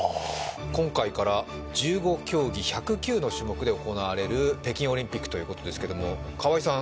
今回から１５競技１０９の種目で行われる北京オリンピックということですけども川合さん